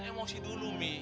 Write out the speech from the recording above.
jangan emosi dulu mi